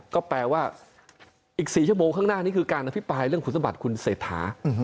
ก็แปลว่าอีก๔ชั่วโมงข้างหน้านี้คือการอภิปรายเรื่องคุณสมบัติคุณเศรษฐา